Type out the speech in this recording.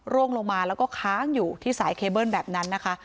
ร่วงลงมาแล้วก็ค้างอยู่ที่สายเคเบิ้ลแบบนั้นนะคะ